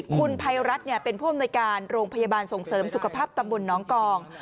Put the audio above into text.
คุณภัยรัฐเป็นโรงพยาบาลส่งเสริมสุขภาพน้องกอง